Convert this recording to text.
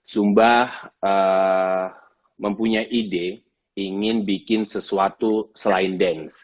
sumba mempunyai ide ingin bikin sesuatu selain dance